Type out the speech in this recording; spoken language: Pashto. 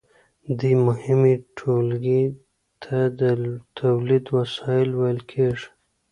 دې مهمې ټولګې ته د تولید وسایل ویل کیږي.